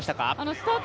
スタート